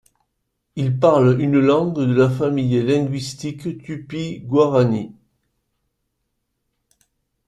Ils parlent une langue de la famille linguistique tupi-guarani.